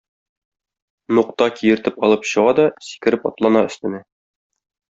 Нукта киертеп алып чыга да сикереп атлана өстенә.